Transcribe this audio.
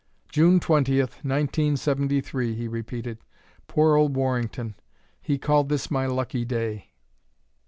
"June twentieth, nineteen seventy three," he repeated. "Poor old Warrington! He called this my lucky day!"